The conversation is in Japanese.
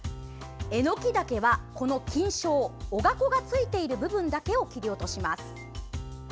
えのきだけは、この菌床おが粉がついている部分だけを切り落とします。